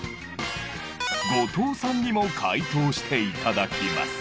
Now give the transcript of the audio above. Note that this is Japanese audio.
後藤さんにも解答していただきます。